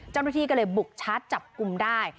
เจ้าหน้าที่ก็เลยบุกชาร์จจับกลุ่มได้